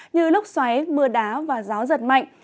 như lốc xoáy mưa đá và gió giật mạnh